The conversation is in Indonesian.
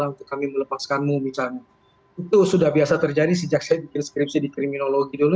untuk kami melepaskanmu misalnya itu sudah biasa terjadi sejak saya bikin skripsi di kriminologi dulu